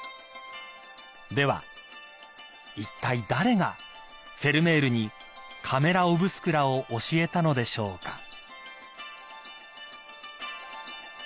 ［ではいったい誰がフェルメールにカメラ・オブスクラを教えたのでしょうか］